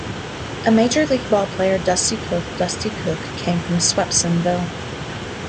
A major league ballplayer, Dusty Cooke Dusty Cooke, came from Swepsonville.